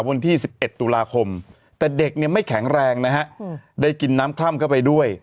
วันที่๑๑ตุลาคมแต่เด็กเนี่ยไม่แข็งแรงนะฮะได้กินน้ำคล่ำเข้าไปด้วย